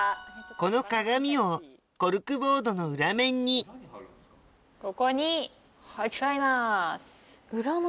この鏡をコルクボードの裏面にここに貼っちゃいます。